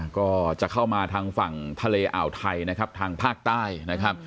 ก็จะเข้ามาทางฝั่งทะเลอ่าวไทยนะครับทางภาคใต้นะครับ